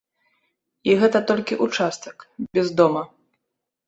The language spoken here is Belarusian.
І гэта толькі ўчастак, без дома.